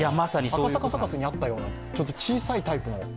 赤坂サカスにあったような小さいタイプの。